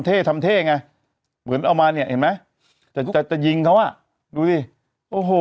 เท่ทำเท่ไงเหมือนเอามาเนี่ยเห็นไหมจะจะยิงเขาอ่ะดูสิโอ้โห